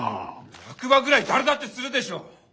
落馬ぐらい誰だってするでしょう！